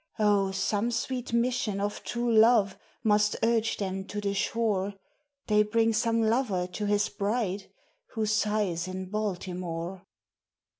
O, some sweet mission of true love must urge them to the shore, They bring some lover to his bride, who sighs in Baltimore!